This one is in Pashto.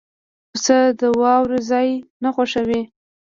پسه د واورو ځای نه خوښوي.